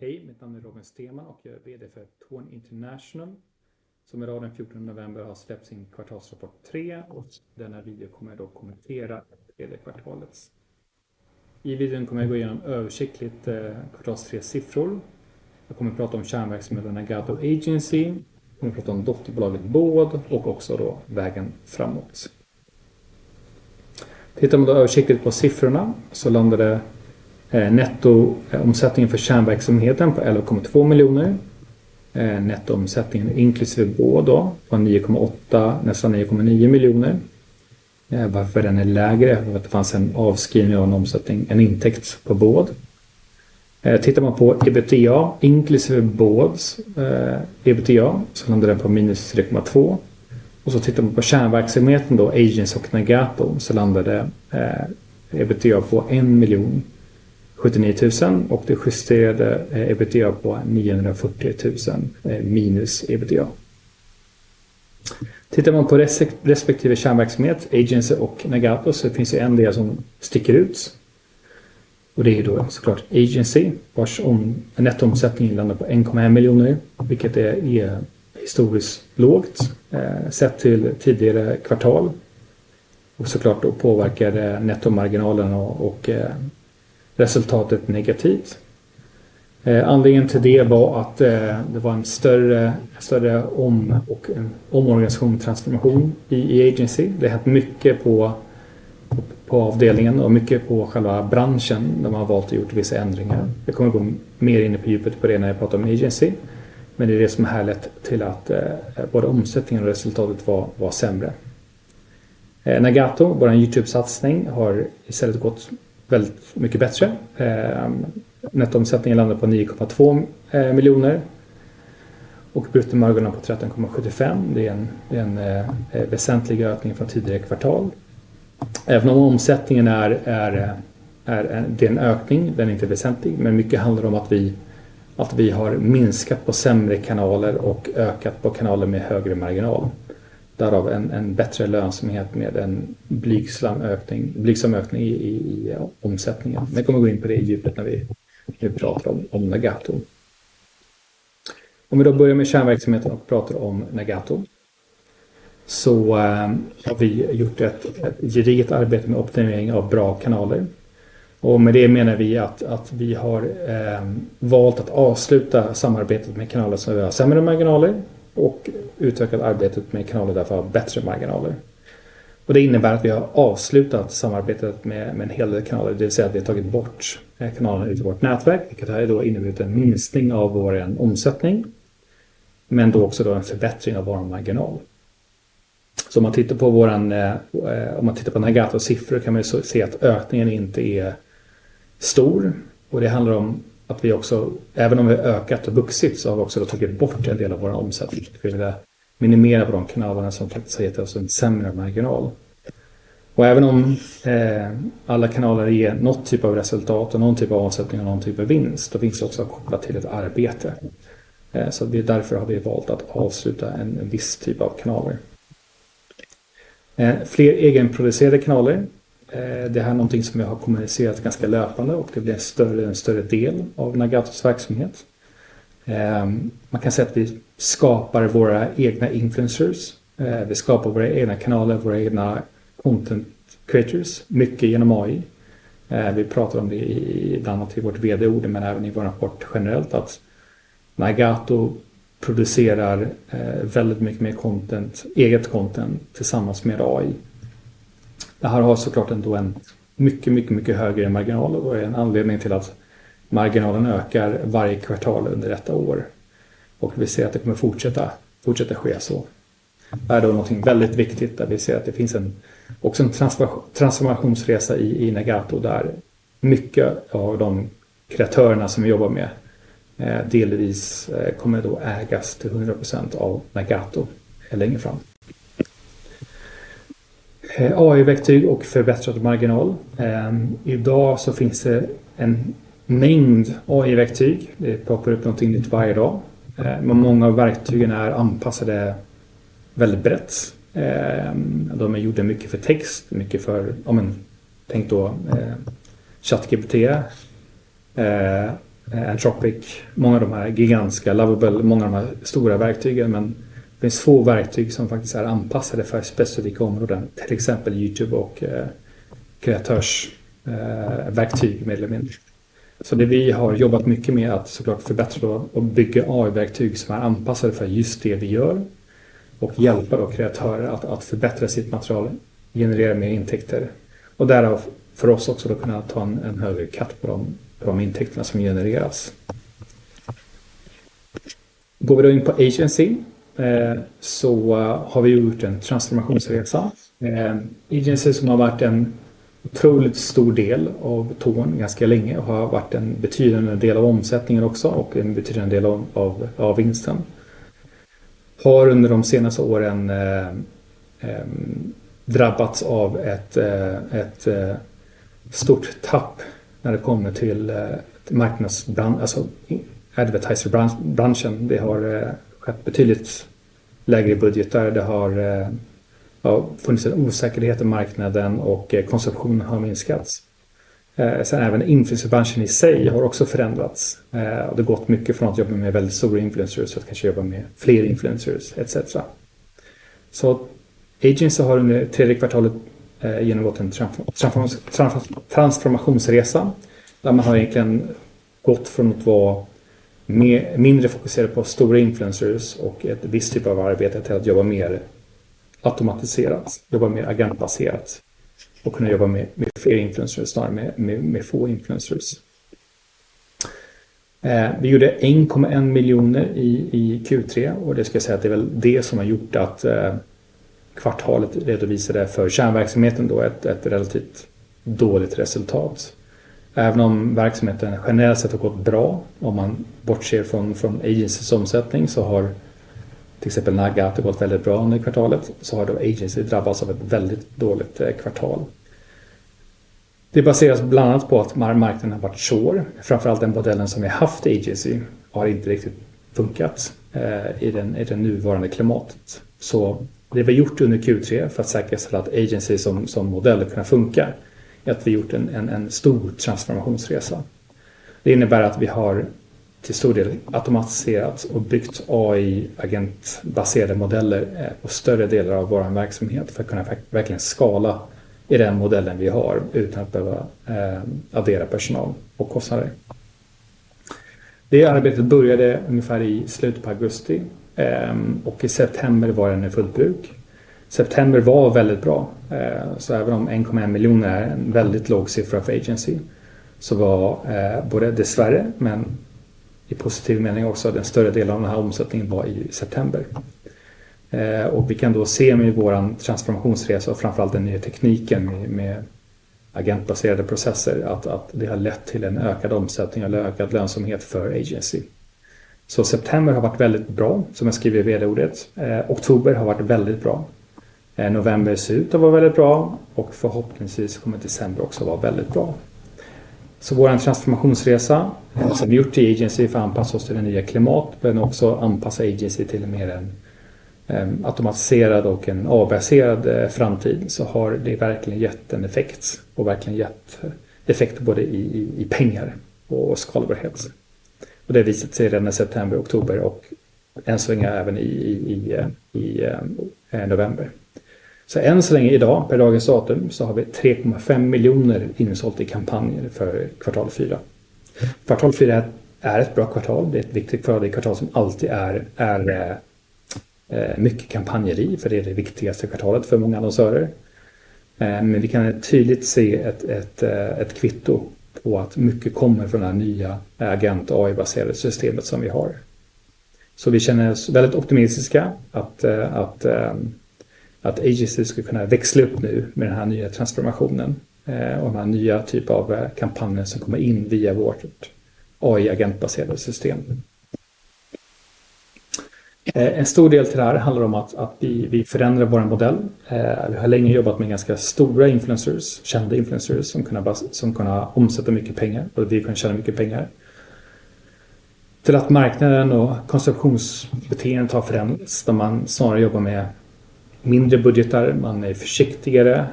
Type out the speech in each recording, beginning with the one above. Hej, mitt namn är Robin Steman och jag är VD för Torn International, som den 14 november har släppt sin kvartalsrapport Q3. I denna video kommer jag att kommentera tredje kvartalet. I videon kommer jag gå igenom översiktligt kvartal 3:s siffror. Jag kommer prata om kärnverksamheten Agato Agency, jag kommer prata om dotterbolaget Båd och också vägen framåt. Tittar man översiktligt på siffrorna så landar nettoomsättningen för kärnverksamheten på 11,2 miljoner. Nettoomsättningen inklusive Båd var 9,8, nästan 9,9 miljoner. Varför den är lägre är för att det fanns en avskrivning av en omsättning, en intäkt på Båd. Tittar man på EBITDA inklusive Båds EBITDA så landar den på minus 3,2. Tittar man på kärnverksamheten Agency och Nagato så landar EBITDA på 179 000 och det justerade EBITDA på minus 940 000. Tittar man på respektive kärnverksamhet, Agency och Nagato så finns det en del som sticker ut och det är ju då såklart Agency vars nettoomsättning landar på 1,1 miljoner kronor, vilket är historiskt lågt sett till tidigare kvartal. Såklart då påverkar det nettomarginalen och resultatet negativt. Anledningen till det var att det var en större omorganisation och transformation i Agency. Det har hänt mycket på avdelningen och mycket på själva branschen där man har valt att göra vissa ändringar. Jag kommer gå mer in på djupet på det när jag pratar om Agency, men det är det som är orsaken till att både omsättningen och resultatet var sämre. Nagato, vår YouTube-satsning, har istället gått väldigt mycket bättre. Nettoomsättningen landar på 9,2 miljoner kronor och bruttomarginalen på 13,75%. Det är en väsentlig ökning från tidigare kvartal. Även om omsättningen är en ökning, den är inte väsentlig, men mycket handlar om att vi har minskat på sämre kanaler och ökat på kanaler med högre marginal. Därav en bättre lönsamhet med en blygsam ökning i omsättningen. Men jag kommer gå in på det i djupet när vi nu pratar om Nagato. Om vi då börjar med kärnverksamheten och pratar om Nagato så har vi gjort ett gediget arbete med optimering av bra kanaler. Och med det menar vi att vi har valt att avsluta samarbetet med kanaler som vi har sämre marginaler och utökat arbetet med kanaler där vi har bättre marginaler. Och det innebär att vi har avslutat samarbetet med en hel del kanaler, det vill säga att vi har tagit bort kanalerna ute i vårt nätverk, vilket har då inneburit en minskning av vår omsättning, men då också då en förbättring av vår marginal. Om man tittar på våran, om man tittar på Nagatos siffror kan man ju se att ökningen inte är stor. Det handlar om att vi också, även om vi har ökat och vuxit, så har vi också då tagit bort en del av vår omsättning för att minimera på de kanalerna som faktiskt har gett oss en sämre marginal. Även om alla kanaler ger något typ av resultat och någon typ av omsättning och någon typ av vinst, då finns det också kopplat till ett arbete. Det är därför har vi valt att avsluta en viss typ av kanaler. Fler egenproducerade kanaler, det här är någonting som jag har kommunicerat ganska löpande och det blir en större del av Nagatos verksamhet. Man kan säga att vi skapar våra egna influencers, vi skapar våra egna kanaler, våra egna content creators, mycket genom AI. Vi pratar om det bland annat i vårt VD-ord, men även i vår rapport generellt att Nagato producerar väldigt mycket mer content, eget content tillsammans med AI. Det här har såklart ändå en mycket, mycket, mycket högre marginal och är en anledning till att marginalen ökar varje kvartal under detta år. Vi ser att det kommer fortsätta ske så. Det här är då någonting väldigt viktigt där vi ser att det finns en också en transformationsresa i Nagato där mycket av de kreatörerna som vi jobbar med delvis kommer då ägas till 100% av Nagato längre fram. AI-verktyg och förbättrad marginal. Idag så finns det en mängd AI-verktyg, det poppar upp någonting nytt varje dag. Men många av verktygen är anpassade väldigt brett. De är gjorda mycket för text, mycket för, ja men tänk då ChatGPT, Anthropic, många av de här gigantiska Lovable, många av de här stora verktygen. Men det finns få verktyg som faktiskt är anpassade för specifika områden, till exempel YouTube och kreatörsverktyg mer eller mindre. Så det vi har jobbat mycket med är att såklart förbättra och bygga AI-verktyg som är anpassade för just det vi gör och hjälpa då kreatörer att förbättra sitt material, generera mer intäkter. Och därav för oss också att kunna ta en högre cut på de intäkterna som genereras. Går vi då in på Agency så har vi gjort en transformationsresa. Agency som har varit en otroligt stor del av Torn ganska länge och har varit en betydande del av omsättningen också och en betydande del av vinsten. Har under de senaste åren drabbats av ett stort tapp när det kommer till marknadsbranschen, alltså advertisingbranschen. Det har skett betydligt lägre budgetar, det har funnits en osäkerhet i marknaden och konsumtionen har minskat. Sen även influencerbranschen i sig har också förändrats. Det har gått mycket från att jobba med väldigt stora influencers till att kanske jobba med fler influencers, etc. Så Agency har under tredje kvartalet genomgått en transformationsresa där man har egentligen gått från att vara mindre fokuserad på stora influencers och ett visst typ av arbete till att jobba mer automatiserat, jobba mer agentbaserat och kunna jobba med fler influencers snarare än med få influencers. Vi gjorde 1,1 miljoner i Q3 och det ska jag säga att det är väl det som har gjort att kvartalet redovisade för kärnverksamheten då ett relativt dåligt resultat. Även om verksamheten generellt sett har gått bra, om man bortser från Agency's omsättning så har till exempel Nagato gått väldigt bra under kvartalet, så har då Agency drabbats av ett väldigt dåligt kvartal. Det baseras bland annat på att marknaden har varit svår, framförallt den modellen som vi haft i Agency har inte riktigt fungerat i det nuvarande klimatet. Det vi har gjort under Q3 för att säkerställa att Agency som modell har kunnat fungera är att vi har gjort en stor transformationsresa. Det innebär att vi har till stor del automatiserat och byggt AI-agentbaserade modeller på större delar av vår verksamhet för att kunna verkligen skala i den modellen vi har utan att behöva addera personal och kostnader. Det arbetet började ungefär i slutet på augusti och i september var den i fullt bruk. September var väldigt bra, så även om 1,1 miljoner är en väldigt låg siffra för Agency så var både tyvärr, men i positiv mening också, den större delen av den här omsättningen var i september. Vi kan då se med vår transformationsresa och framförallt den nya tekniken med agentbaserade processer att det har lett till en ökad omsättning och en ökad lönsamhet för Agency. September har varit väldigt bra, som jag skriver i VD-ordet. Oktober har varit väldigt bra. November ser ut att vara väldigt bra och förhoppningsvis kommer december också vara väldigt bra. Vår transformationsresa som vi har gjort i Agency för att anpassa oss till det nya klimatet, men också anpassa Agency till en mer automatiserad och en AI-baserad framtid, har verkligen gett en effekt och verkligen gett effekt både i pengar och skalbarhet. Och det har visat sig redan i september och oktober och än så länge även i november. Så än så länge idag, per dagens datum, så har vi 3,5 miljoner insålt i kampanjer för kvartal 4. Kvartal 4 är ett bra kvartal, det är ett viktigt kvartal, det är ett kvartal som alltid är mycket kampanjer i, för det är det viktigaste kvartalet för många annonsörer. Men vi kan tydligt se ett kvitto på att mycket kommer från det här nya agent-AI-baserade systemet som vi har. Så vi känner oss väldigt optimistiska att Agency skulle kunna växla upp nu med den här nya transformationen och den här nya typen av kampanjer som kommer in via vårt AI-agentbaserade system. En stor del till det här handlar om att vi förändrar vår modell. Vi har länge jobbat med ganska stora influencers, kända influencers som kunde omsätta mycket pengar, både vi och de kunde tjäna mycket pengar. Till att marknaden och konsumtionsbeteendet har förändrats där man snarare jobbar med mindre budgetar, man är försiktigare,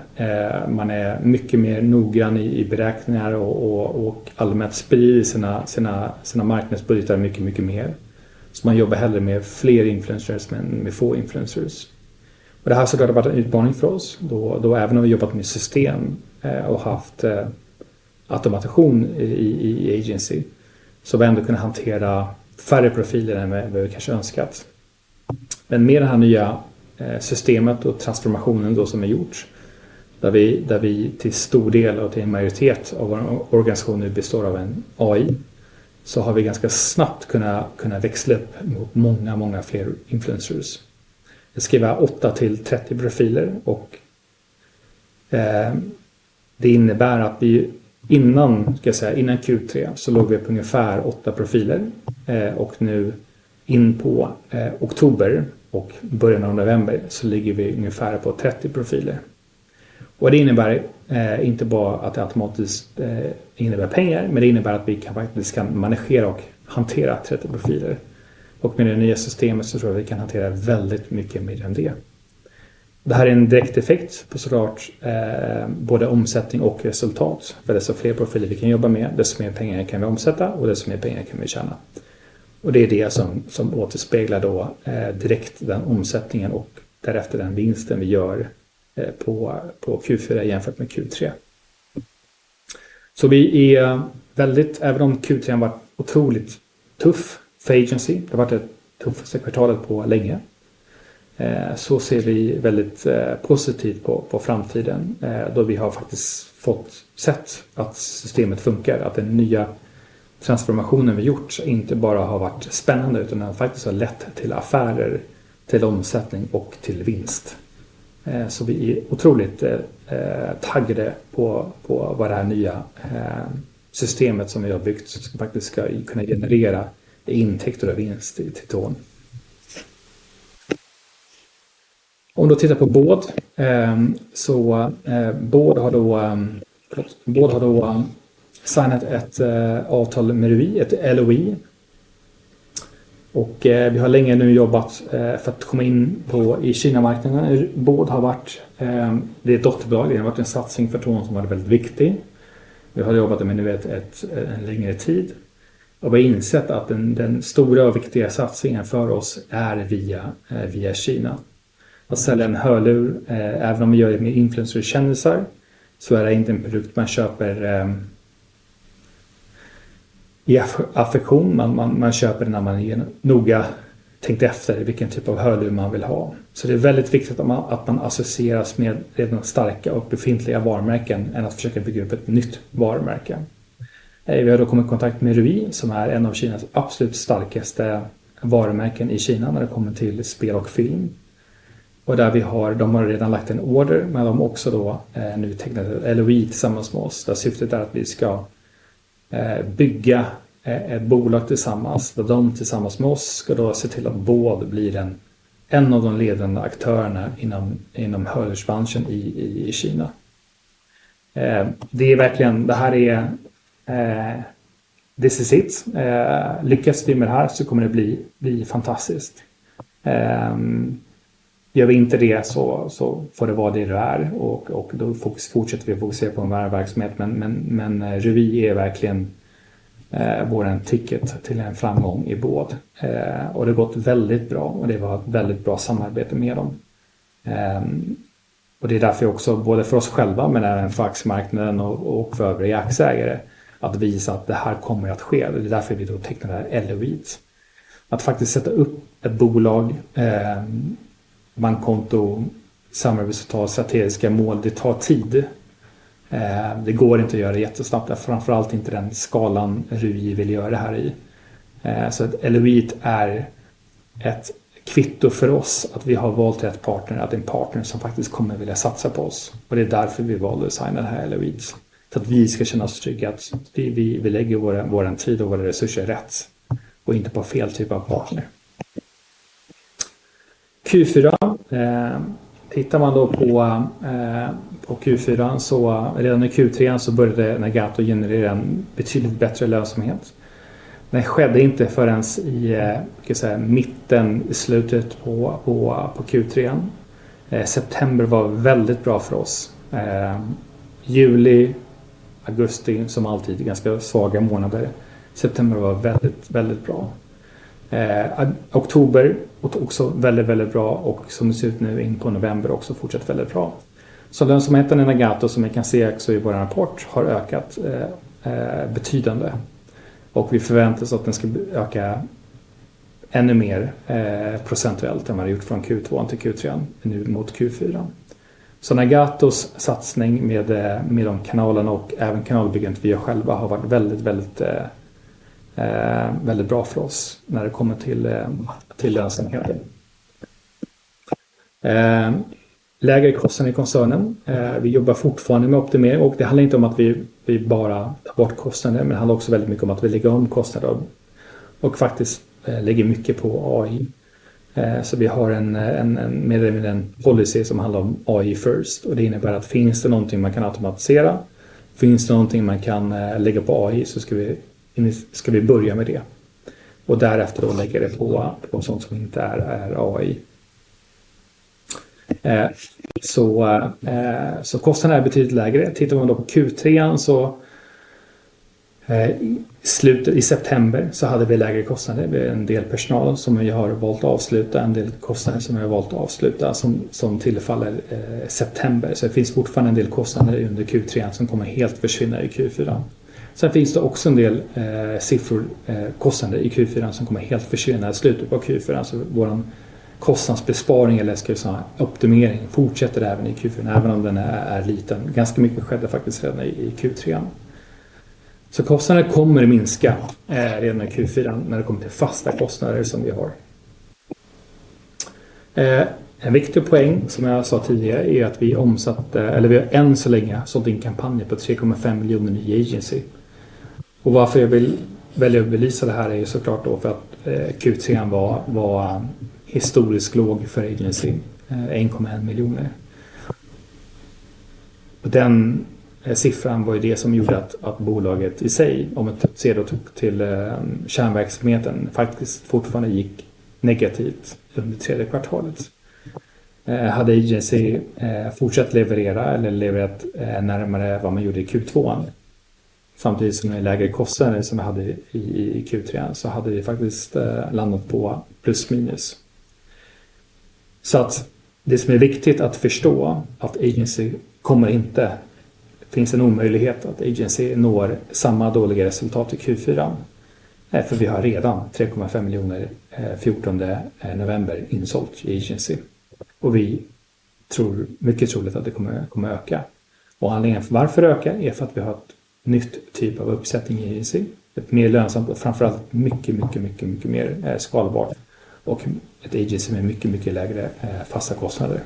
man är mycket mer noggrann i beräkningar och allmänt sprider sina marknadsbudgetar mycket, mycket mer. Så man jobbar hellre med fler influencers än med få influencers. Det här har såklart varit en utmaning för oss, då även om vi har jobbat med system och haft automatisation i Agency så har vi ändå kunnat hantera färre profiler än vad vi kanske önskat. Men med det här nya systemet och transformationen som är gjord, där vi till stor del och till en majoritet av vår organisation nu består av en AI, så har vi ganska snabbt kunnat växla upp mot många, många fler influencers. Jag skrev 8 till 30 profiler och det innebär att vi innan, ska jag säga, innan Q3 så låg vi på ungefär 8 profiler och nu in på oktober och början av november så ligger vi ungefär på 30 profiler. Och det innebär inte bara att det automatiskt innebär pengar, men det innebär att vi faktiskt kan managera och hantera 30 profiler. Och med det nya systemet så tror jag att vi kan hantera väldigt mycket mer än det. Det här är en direkteffekt på såklart både omsättning och resultat. För desto fler profiler vi kan jobba med, desto mer pengar kan vi omsätta och desto mer pengar kan vi tjäna. Och det är det som återspeglar då direkt den omsättningen och därefter den vinsten vi gör på Q4 jämfört med Q3. Vi är väldigt, även om Q3 har varit otroligt tuff för Agency, det har varit det tuffaste kvartalet på länge, så ser vi väldigt positivt på framtiden. Vi har faktiskt fått se att systemet fungerar, att den nya transformationen vi har gjort inte bara har varit spännande utan den faktiskt har lett till affärer, till omsättning och till vinst. Vi är otroligt taggade på vad det här nya systemet som vi har byggt faktiskt ska kunna generera i intäkter och vinst till Torn. Om vi tittar på Board, så har Board signat ett avtal med Rui, ett LOI. Vi har länge nu jobbat för att komma in på Kina-marknaden. Board har varit, det är ett dotterbolag, det har varit en satsning för Torn som har varit väldigt viktig. Vi har jobbat med nu ett en längre tid och vi har insett att den stora och viktiga satsningen för oss är via Kina. Att sälja en hörlur, även om vi gör det med influencerkändisar, så är det inte en produkt man köper i affektion, men man köper den när man är noga tänkt efter vilken typ av hörlur man vill ha. Så det är väldigt viktigt att man associeras med redan starka och befintliga varumärken än att försöka bygga upp ett nytt varumärke. Vi har då kommit i kontakt med Rui som är en av Kinas absolut starkaste varumärken i Kina när det kommer till spel och film. Och där vi har, de har redan lagt en order med dem också då, nu tecknat ett LOI tillsammans med oss. Där syftet är att vi ska bygga ett bolag tillsammans, där de tillsammans med oss ska då se till att Board blir en av de ledande aktörerna inom hörlursbranschen i Kina. Det är verkligen, det här är this is it. Lyckas vi med det här så kommer det bli fantastiskt. Gör vi inte det så får det vara det, det är och då fortsätter vi att fokusera på vår verksamhet. Men Rui är verkligen vår ticket till framgång i Board. Det har gått väldigt bra och det var ett väldigt bra samarbete med dem. Det är därför också både för oss själva men även för aktiemarknaden och för övriga aktieägare att visa att det här kommer att ske. Det är därför vi då tecknade LOIs. Att faktiskt sätta upp ett bolag, bankkonto, samarbetsavtal, strategiska mål, det tar tid. Det går inte att göra det jättesnabbt, framförallt inte den skalan Rui vill göra det här i. Så att LOI är ett kvitto för oss att vi har valt rätt partner, att det är en partner som faktiskt kommer vilja satsa på oss. Och det är därför vi valde att signa den här LOI:n. Så att vi ska känna oss trygga att vi lägger vår tid och våra resurser rätt och inte på fel typ av partner. Q4, tittar man då på Q4 så redan i Q3 så började Nagato generera en betydligt bättre lönsamhet. Det skedde inte förrän i ska jag säga mitten i slutet på Q3. September var väldigt bra för oss. Juli, augusti som alltid är ganska svaga månader. September var väldigt bra. Oktober var också väldigt väldigt bra och som det ser ut nu in på november också fortsatt väldigt bra. Så lönsamheten i Nagato som vi kan se också i vår rapport har ökat betydande. Vi förväntar oss att den ska öka ännu mer procentuellt än vad det har gjort från Q2 till Q3 nu mot Q4. Nagatos satsning med de kanalerna och även kanalbygget vi har själva har varit väldigt väldigt väldigt bra för oss när det kommer till lönsamheten. Lägre kostnader i koncernen. Vi jobbar fortfarande med optimering och det handlar inte om att vi bara tar bort kostnader, men det handlar också väldigt mycket om att vi lägger om kostnader och faktiskt lägger mycket på AI. Vi har en mer eller mindre en policy som handlar om AI first. Och det innebär att finns det någonting man kan automatisera, finns det någonting man kan lägga på AI så ska vi börja med det. Därefter då lägga det på sådant som inte är AI. Så kostnaderna är betydligt lägre. Tittar man då på Q3 så i september så hade vi lägre kostnader. Vi har en del personal som vi har valt att avsluta, en del kostnader som vi har valt att avsluta som tillfaller september. Så det finns fortfarande en del kostnader under Q3 som kommer helt försvinna i Q4. Sen finns det också en del kostnader i Q4 som kommer helt försvinna i slutet på Q4. Så vår kostnadsbesparing eller ska vi säga optimering fortsätter även i Q4, även om den är liten. Ganska mycket skedde faktiskt redan i Q3. Så kostnader kommer att minska redan i Q4 när det kommer till fasta kostnader som vi har. En viktig poäng som jag sa tidigare är att vi omsatte, eller vi har än så länge sålt in kampanjer på 3,5 miljoner i Agency. Varför jag vill välja att belysa det här är ju såklart då för att Q3 var historiskt låg för Agency, 1,1 miljoner. Den siffran var ju det som gjorde att bolaget i sig, om man ser då till kärnverksamheten, faktiskt fortfarande gick negativt under tredje kvartalet. Hade Agency fortsatt leverera eller levererat närmare vad man gjorde i Q2, samtidigt som vi har lägre kostnader som vi hade i Q3, så hade vi faktiskt landat på plus minus. Det som är viktigt att förstå är att Agency kommer inte, det finns en omöjlighet att Agency når samma dåliga resultat i Q4, för vi har redan 3,5 miljoner 14 november insålt i Agency. Vi tror mycket troligt att det kommer öka. Anledningen till varför det ökar är för att vi har ett nytt typ av uppsättning i Agency, ett mer lönsamt och framförallt mycket mer skalbart och ett Agency med mycket lägre fasta kostnader.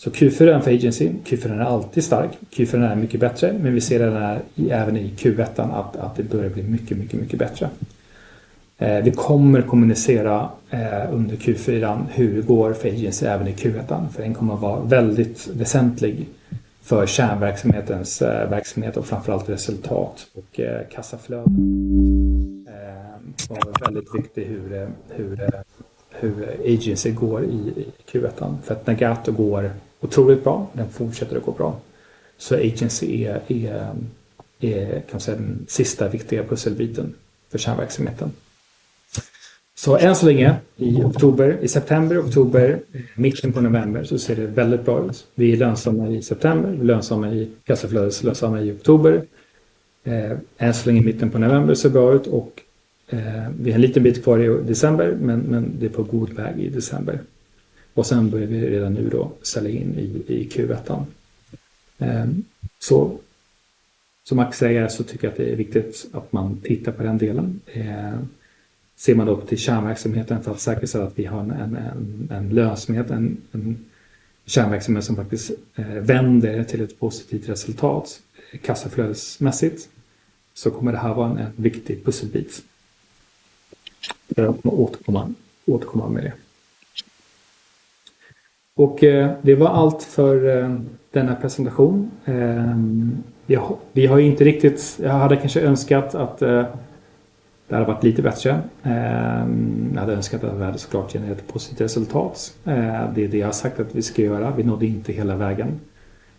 Q4 är den för Agency, Q4 är den alltid stark, Q4 är den mycket bättre, men vi ser den även i Q1 att det börjar bli mycket bättre. Vi kommer kommunicera under Q4 hur det går för Agency även i Q1, för den kommer vara väldigt väsentlig för kärnverksamhetens verksamhet och framförallt resultat och kassaflöden. Det kommer vara väldigt viktigt hur Agency går i Q1, för att Nagato går otroligt bra, den fortsätter att gå bra, så Agency är kanske den sista viktiga pusselbiten för kärnverksamheten. Så än så länge i oktober, i september, oktober, mitten på november så ser det väldigt bra ut. Vi är lönsamma i september, vi är lönsamma i kassaflödet, lönsamma i oktober. Än så länge i mitten på november ser bra ut och vi har en liten bit kvar i december, men det är på god väg i december. Sen börjar vi redan nu då sälja in i Q1. Som Max säger så tycker jag att det är viktigt att man tittar på den delen. Ser man då på till kärnverksamheten för att säkerställa att vi har en lönsamhet, en kärnverksamhet som faktiskt vänder till ett positivt resultat kassaflödesmässigt, så kommer det här vara en viktig pusselbit. Jag kommer återkomma med det. Det var allt för denna presentation. Jag hade kanske önskat att det hade varit lite bättre. Jag hade önskat att vi hade såklart genererat ett positivt resultat. Det är det jag har sagt att vi ska göra, vi nådde inte hela vägen.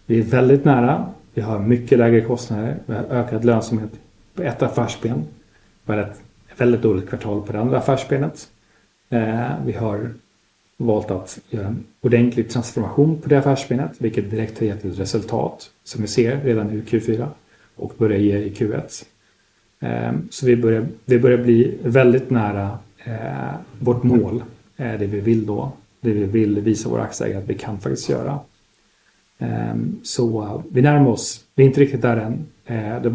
Vi är väldigt nära, vi har mycket lägre kostnader, vi har ökad lönsamhet på ett affärsben, vi har ett väldigt dåligt kvartal på det andra affärsbenet. Vi har valt att göra en ordentlig transformation på det affärsbenet, vilket direkt har gett ett resultat som vi ser redan i Q4 och börjar ge i Q1. Så vi börjar, vi börjar bli väldigt nära vårt mål, det vi vill då, det vi vill visa våra aktieägare att vi kan faktiskt göra. Så vi närmar oss, vi är inte riktigt där än. Det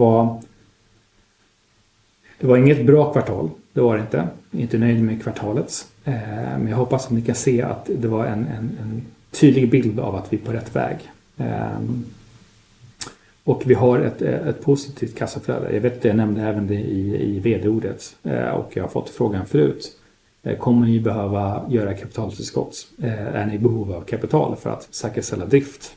var inget bra kvartal, det var det inte, inte nöjd med kvartalet. Men jag hoppas att ni kan se att det var en tydlig bild av att vi är på rätt väg. Och vi har ett positivt kassaflöde, jag vet att jag nämnde även det i VD-ordet och jag har fått frågan förut. Kommer ni behöva göra kapitalutskott, är ni i behov av kapital för att säkerställa drift?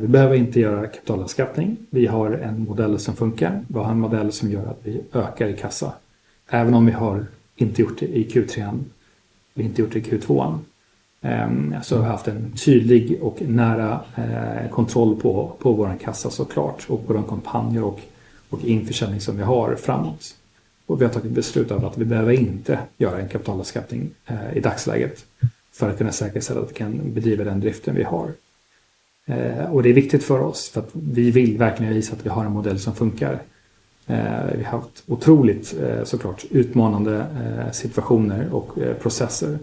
Vi behöver inte göra kapitalanskaffning, vi har en modell som funkar, vi har en modell som gör att vi ökar i kassa. Även om vi har inte gjort det i Q3, vi har inte gjort det i Q2, så har vi haft en tydlig och nära kontroll på vår kassa såklart och på de kampanjer och införsäljning som vi har framåt. Vi har tagit beslut av att vi behöver inte göra en kapitalanskaffning i dagsläget för att kunna säkerställa att vi kan bedriva den driften vi har. Det är viktigt för oss för att vi vill verkligen visa att vi har en modell som funkar. Vi har haft otroligt såklart utmanande situationer och processer,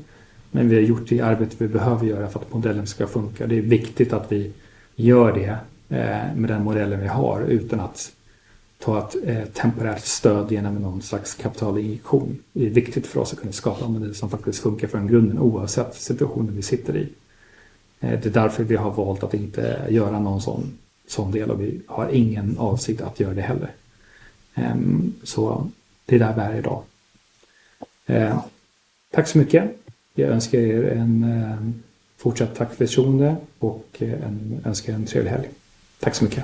men vi har gjort det arbete vi behöver göra för att modellen ska funka. Det är viktigt att vi gör det med den modellen vi har utan att ta ett temporärt stöd genom någon slags kapitalinjektion. Det är viktigt för oss att kunna skapa en modell som faktiskt fungerar från grunden oavsett situationen vi sitter i. Det är därför vi har valt att inte göra någon sådan del och vi har ingen avsikt att göra det heller. Så det är där vi är idag. Tack så mycket, jag önskar ett fortsatt förtroende och önskar en trevlig helg. Tack så mycket.